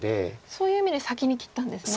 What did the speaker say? そういう意味で先に切ったんですね。